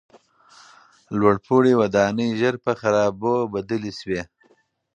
لوړپوړي ودانۍ ژر په خرابو بدلې شوې.